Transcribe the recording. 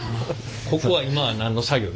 ここは今は何の作業ですか？